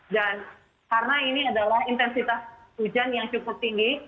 dan karena ini adalah intensitas hujan yang cukup tinggi